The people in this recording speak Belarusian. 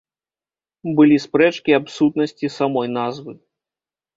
Былі спрэчкі аб сутнасці самой назвы.